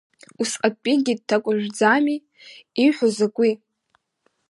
Усҟатәигьы дҭакәажәӡамеи, иуҳәо закәи?